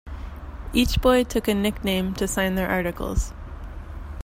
Each boy took a nickname to sign their articles.